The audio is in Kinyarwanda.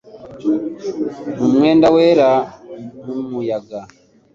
Mu mwenda wera nk'umuyaga